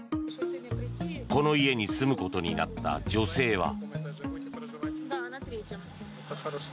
この家に住むことになった女性は。